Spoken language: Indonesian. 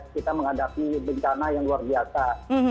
kita menghadapi bencana yang luar biasa